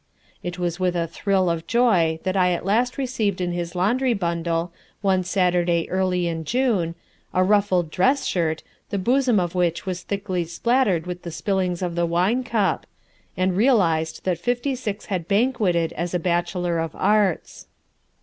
It was with a thrill of joy that I at last received in his laundry bundle one Saturday early in June, a ruffled dress shirt, the bosom of which was thickly spattered with the spillings of the wine cup, and realized that Fifty Six had banqueted as a Bachelor of Arts.